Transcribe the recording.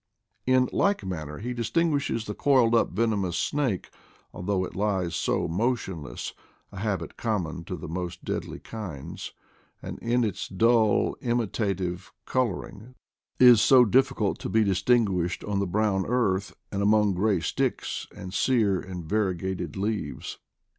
In like manner he distinguishes the coiled up venomous snake, although it lies so motionless — a habit common to the most deadly kinds — and in its dull imitative coloring is so diffi cult to be distinguished on the brown earth, and among gray sticks and sere and variegated leaves.